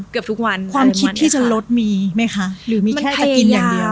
ความคิดที่จะลดมีไหมคะ